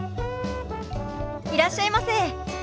いらっしゃいませ。